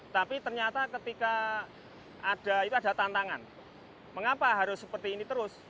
tapi ternyata ketika ada tantangan mengapa harus seperti ini terus